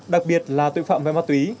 đặc biệt là tự phạm về ma tuế